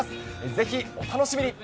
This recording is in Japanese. ぜひお楽しみに。